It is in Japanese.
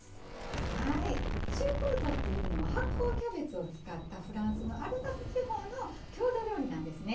はいシュークルートっていうのは発酵キャベツを使ったフランスのアルザス地方の郷土料理なんですね。